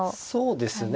そうですね。